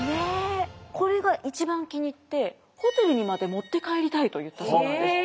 これが一番気に入って「ホテルにまで持って帰りたい」と言ったそうなんです。